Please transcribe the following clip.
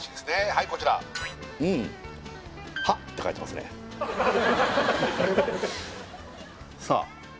はいこちらうんさあ